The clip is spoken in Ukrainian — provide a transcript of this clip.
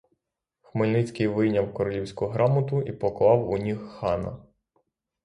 Хмельницький вийняв королівську грамоту і поклав у ніг хана.